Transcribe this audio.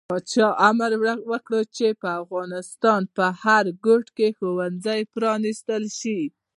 پاچا امر وکړ چې د افغانستان په هر ګوټ کې د ښوونځي پرانستل شي.